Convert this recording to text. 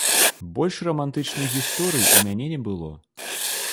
Больш рамантычных гісторый у мяне не было.